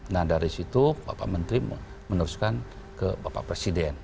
nah dari situ bapak menteri meneruskan ke bapak presiden